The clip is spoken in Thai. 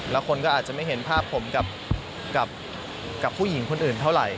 แล้วคนก็อาจจะไม่เห็นภาพผมกับผู้หญิงคนอื่นเท่าไหร่